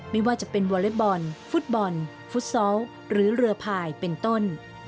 ไม่ว่าจะเป็นวอเล็กบอลฟุตบอลฟุตซอลหรือเรือพายเป็นต้น